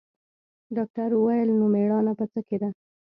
ډاکتر وويل نو مېړانه په څه کښې ده.